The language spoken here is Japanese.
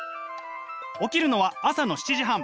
起きるのは朝の７時半。